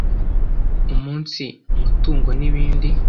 umunsi mutungo n’ibindi.